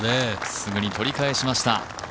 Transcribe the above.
すぐに取り返しました。